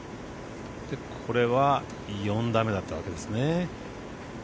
これは４打目だったわけですね。